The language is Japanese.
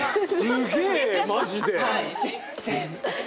すげえマジで。